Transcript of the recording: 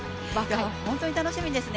本当に楽しみですね